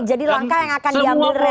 jadi langkah yang akan diambil rela